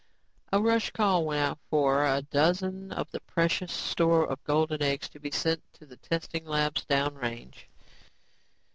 A rush call went out for a dozen of the precious store of golden eggs to be sent to the testing labs down range.